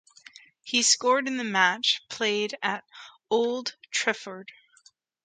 He scored in the match, played at Old Trafford.